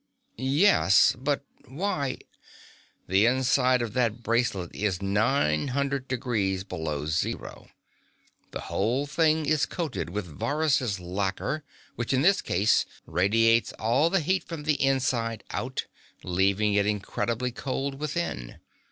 "Yes, but why " "The inside of that bracelet is nine hundred degrees below zero. The whole thing is coated with Varrhus' lacquer, which, in this case, radiates all the heat from the inside out, leaving it incredibly cold within.